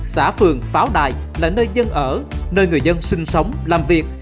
xã phường pháo đài là nơi dân ở nơi người dân sinh sống làm việc